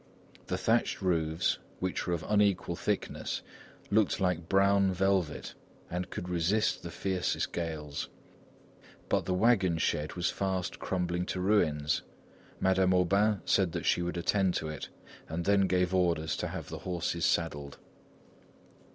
The thatched roofs, which were of unequal thickness, looked like brown velvet and could resist the fiercest gales. But the wagon shed was fast crumbling to ruins. Madame Aubain said that she would attend to it, and then gave orders to have the horses saddled.